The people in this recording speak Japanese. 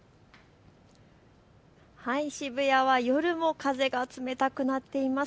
渋谷は夜も風が冷たくなっています。